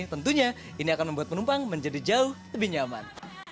tentunya ini akan membuat penumpang menjadi jauh lebih nyaman